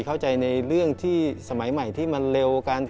เข้าใจในเรื่องที่สมัยใหม่ที่มันเร็ว